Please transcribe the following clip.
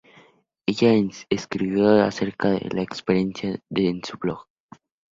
Ella escribió acerca de la experiencia en su blog.